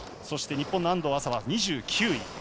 そして日本の安藤麻は２９位。